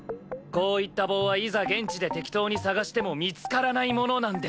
こういった棒はいざ現地で適当に探しても見つからないものなんですよ。